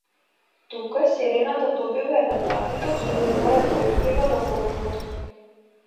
Тука сирената добива еден напиток со кој мора да отплива до копното.